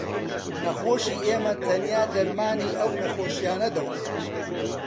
نەخۆشی ئێمە تەنیا دەرمانی ئەو نەخۆشییانە دەخۆن